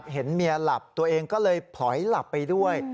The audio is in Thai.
เห็นเมียหลับตัวเองก็เลยผลอยหลับไปด้วย